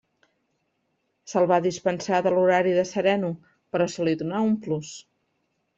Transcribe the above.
Se'l va dispensar de l'horari de sereno, però se li donà un plus.